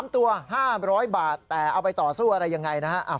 ๓ตัว๕๐๐บาทแต่เอาไปต่อสู้อะไรยังไงนะฮะ